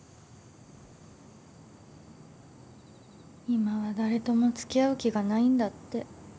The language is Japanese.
今は誰とも付き合う気がないんだって。